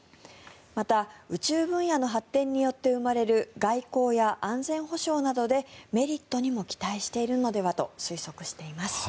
また、宇宙分野の発展によって生まれる外交や安全保障などでメリットにも期待しているのではと推測しています。